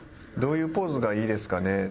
どういうポーズがいいですかね？